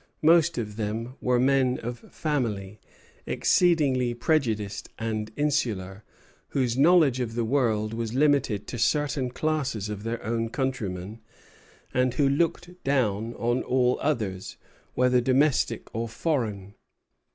Most of them were men of family, exceedingly prejudiced and insular, whose knowledge of the world was limited to certain classes of their own countrymen, and who looked down on all others, whether domestic or foreign.